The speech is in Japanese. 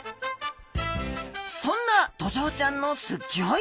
そんなドジョウちゃんのすギョい